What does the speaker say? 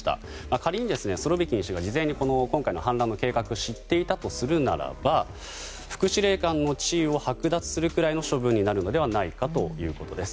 仮にスロビキン氏が事前に今回の反乱の計画を知っていたとするならば副司令官の地位を剥奪するぐらいの処分になるのではないかということです。